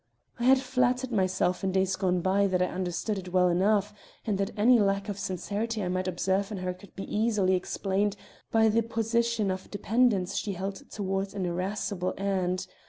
I had flattered myself in days gone by that I understood it well enough, and that any lack of sincerity I might observe in her could be easily explained by the position of dependence she held toward an irascible aunt.